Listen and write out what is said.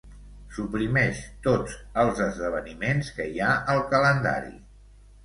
Suprimeix tots els esdeveniments que hi ha al calendari.